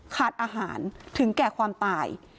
ขาดอาหารถึงแก่ความตาย